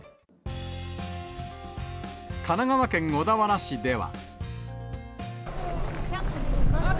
神奈川県小田原市では。